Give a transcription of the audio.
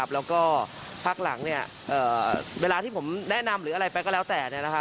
แล้วก็พักหลังเวลาที่ผมแนะนำหรืออะไรไปก็แล้วแต่